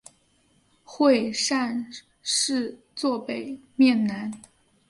会善寺坐北面南。